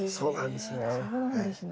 そうなんですね。